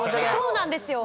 そうなんですよ。